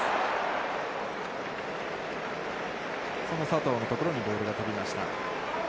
佐藤のところにボールが飛びました。